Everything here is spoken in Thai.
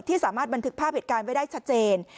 สามารถบันทึกภาพเหตุการณ์ไว้ได้ชัดเจน